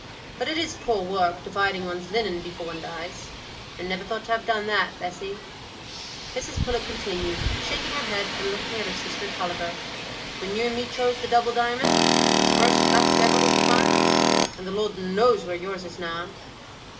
But it's poor work dividing one's linen before one dies,—I niver thought to ha' done that, Bessy," Mrs Pullet continued, shaking her head and looking at her sister Tulliver, "when you and me chose the double diamont, the first flax iver we'd spun, and the Lord knows where yours is gone."